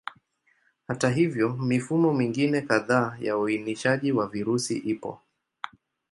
Hata hivyo, mifumo mingine kadhaa ya uainishaji wa virusi ipo.